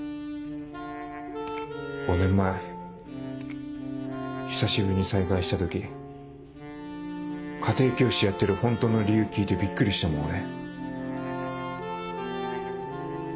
５年前久しぶりに再会した時家庭教師やってるホントの理由聞いてビックリしたもん俺。